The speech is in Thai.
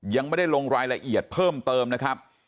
ยังไม่ได้ลงรายละเอียดเพิ่มเติมนะครับ